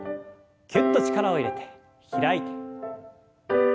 キュッと力を入れて開いて。